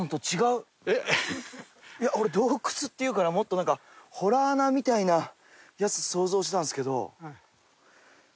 いや俺洞窟っていうからもっとなんか洞穴みたいなやつ想像してたんですけど。